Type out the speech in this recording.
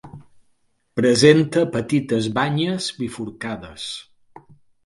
Presenta petites banyes bifurcades.